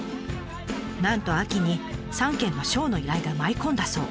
なんと秋に３件のショーの依頼が舞い込んだそう。